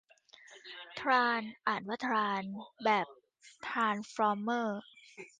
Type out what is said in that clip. ทราน อ่านว่าทราน แบบทรานสฟอร์มเมอร์